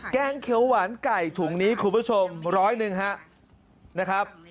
แกงเขียวหวานไก่ถุงนี้คุณผู้ชมร้อยหนึ่งฮะนะครับ